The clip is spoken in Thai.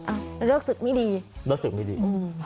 อ้าวเลิกศึกไม่ดี